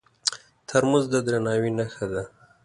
ترموز د درناوي نښه ده.